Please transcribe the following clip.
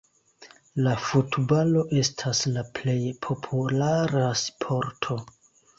La futbalo estas la plej populara sporto.